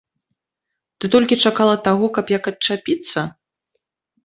Ты толькі чакала таго, каб як адчапіцца?